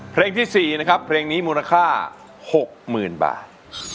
เพลงที่๔นะครับเพลงนี้มูลค่า๖๐๐๐บาท